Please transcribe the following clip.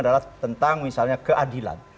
adalah tentang misalnya keadilan